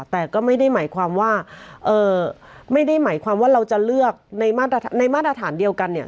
แต่ก็ไม่ได้หมายความว่าไม่ได้หมายความว่าเราจะเลือกในมาตรฐานเดียวกันเนี่ย